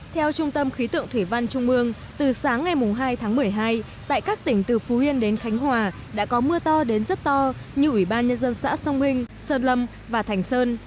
theo trung tâm khí tượng thủy văn trung ương từ sáng ngày hai tháng một mươi hai tại các tỉnh từ phú yên đến khánh hòa đã có mưa to đến rất to như ủy ban nhân dân xã sông hình sơn lâm và thành sơn